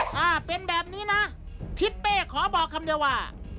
ถ้าเป็นแบบนี้นะทิศเป้ขอบอกคำเดียวว่า